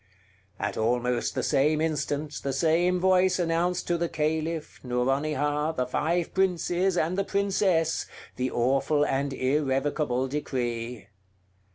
At almost the same instant the same voice announced to the Caliph, Nouronihar, the five princes, and the princess, the awful and irrevocable decree.